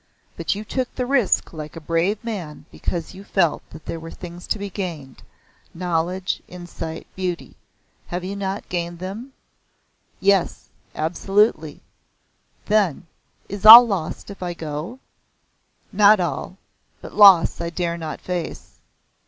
But you took the risk like a brave man because you felt there were things to be gained knowledge, insight, beauty. Have you not gained them?" "Yes. Absolutely." "Then, is it all loss if I go?" "Not all. But loss I dare not face."